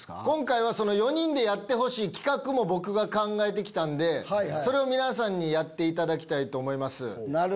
今回は４人でやってほしい企画も僕が考えて来たんでそれを皆さんにやっていただきたいと思います。